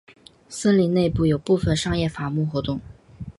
森林内有部分商业伐木活动。